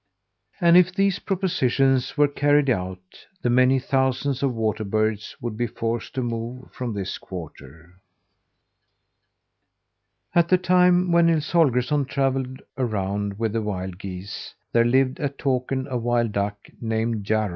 And if these propositions were carried out, the many thousands of water birds would be forced to move from this quarter. At the time when Nils Holgersson travelled around with the wild geese, there lived at Takern a wild duck named Jarro.